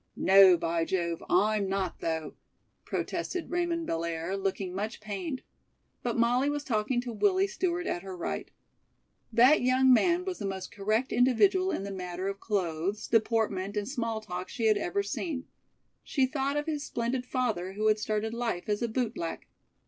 "No, by Jove, I'm not though," protested Raymond Bellaire, looking much pained. But Molly was talking to Willie Stewart at her right. That young man was the most correct individual in the matter of clothes, deportment and small talk she had ever seen. She thought of his splendid father, who had started life as a bootblack.